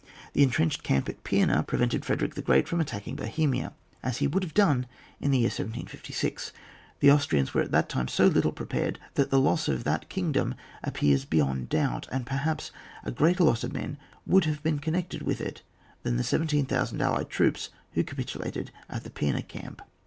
The entrenched camp at Pima prevented Frederick the Great from attacking Bo hemia, as he would have done, in the year 1756. The Austrians were at that time so little prepared, that the loss of that kingdom appears beyond doubt ; and perhaps, a greater loss of men would have been connected with it than the 17,000 allied troops who capitulated in the Pima camp.